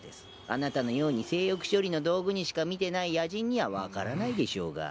あなたのように性欲処理の道具にしか見てない野人には分からないでしょうが。